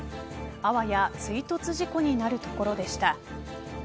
あわや追突事故になるところでした。